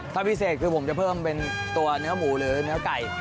ถ้าพิเศษคือผมจะเพิ่มเป็นตัวเนื้อหมูหรือเนื้อไก่